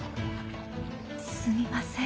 すみません。